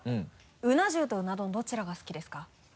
うな重とうな丼どちらが好きですか？